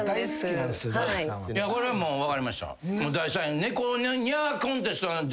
これはもう分かりました。